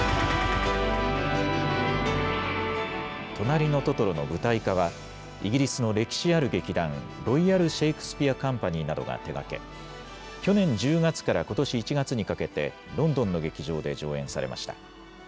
となりのトトロの舞台化は、イギリスの歴史ある劇団、ロイヤル・シェイクスピア・カンパニーなどが手がけ、去年１０月からことし１月にかけて、ロンドンの劇場で上演されました。